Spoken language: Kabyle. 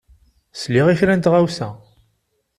Sliɣ i kra n tɣawsa.